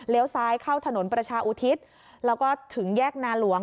ซ้ายเข้าถนนประชาอุทิศแล้วก็ถึงแยกนาหลวง